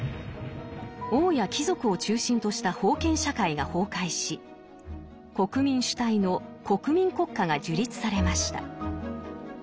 王や貴族を中心とした封建社会が崩壊し国民主体の国民国家が樹立されました。